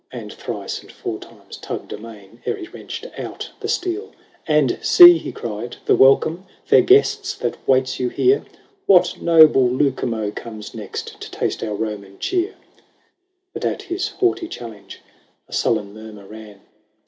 And thrice and four times tugged amain, Ere he wrenched out the steel. " And see," he cried, " the welcome. Fair guests, that waits you here ! What noble Lucumo comes next To taste our Roman cheer ?" XL VIII. But at his haughty challenge A sullen murmur ran.